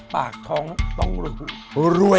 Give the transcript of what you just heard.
ปากท้องต้องรวย